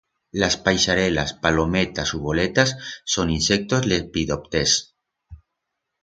Las paixarelas, palometas u voletas son insectos lepidopters.